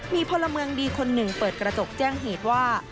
มีพลเมืองดีคนหนึ่งเปิดกระจกแจ้งเหตุว่า